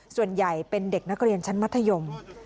ส่วนใหญ่เป็นเด็กนักเรียนชั้นมัธยม